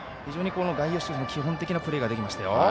非常に外野手の基本的なプレーができましたよ。